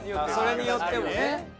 それによってもね。